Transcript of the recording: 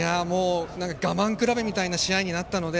我慢比べみたいな試合になったので。